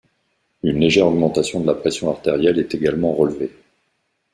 Une légère augmentation de la pression artérielle est également relevée.